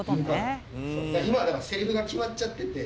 今はだからセリフが決まっちゃってて。